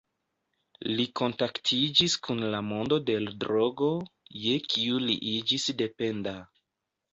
Li kontaktiĝis kun la mondo de l’drogo, je kiu li iĝis dependa.